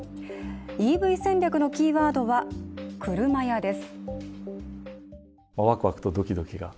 ＥＶ戦略のキーワードはクルマ屋です。